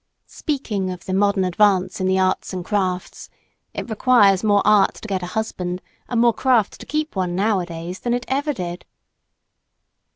Speaking of the modern advance in the "arts and crafts" it requires more art to get a husband and more craft to keep one nowadays, than it ever did.